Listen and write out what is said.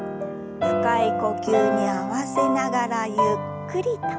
深い呼吸に合わせながらゆっくりと。